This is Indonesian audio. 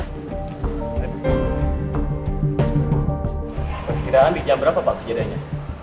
perkiraan di jam berapa pak kejadiannya